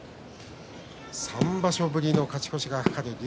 ３場所ぶりの勝ち越しが懸かる竜